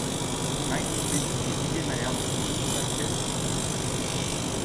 Mike Oldfield et Didier Malherbe jouent sur la pièce-titre.